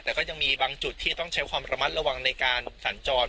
แต่ก็ยังมีบางจุดที่ต้องใช้ความระมัดระวังในการสัญจร